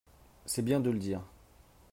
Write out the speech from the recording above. C’est bien de le dire